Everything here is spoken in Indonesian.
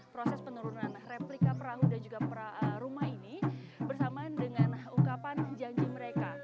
proses penurunan replika perahu dan juga rumah ini bersamaan dengan ungkapan janji mereka